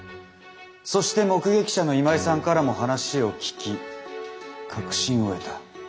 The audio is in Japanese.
そして目撃者の今井さんからも話を聞き確信を得た。